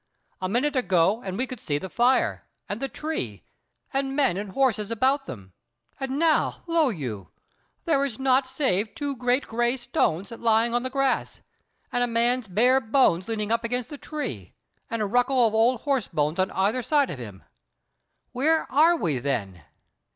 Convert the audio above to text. A minute ago and we could see the fire, and the tree, and men and horses about them: and now, lo you! there is naught save two great grey stones lying on the grass, and a man's bare bones leaning up against the tree, and a ruckle of old horse bones on either side of him. Where are we then?"